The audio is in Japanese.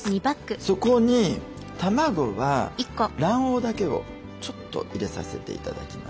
そこに卵は卵黄だけをちょっと入れさせて頂きます。